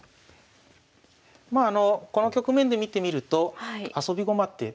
まああのこの局面で見てみるとあそび駒って。